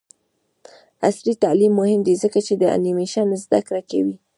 عصري تعلیم مهم دی ځکه چې د انیمیشن زدکړه کوي.